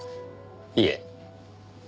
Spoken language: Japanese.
いえ。